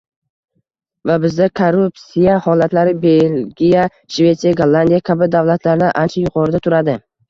va bizda korrupsiya holatlari Belgiya, Shvetsiya, Gollandiya kabi davlatlardan ancha yuqorida turadi.